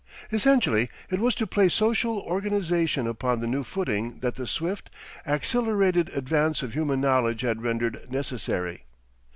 Essentially it was to place social organisation upon the new footing that the swift, accelerated advance of human knowledge had rendered necessary.